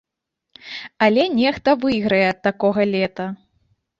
Але нехта выйграе ад такога лета.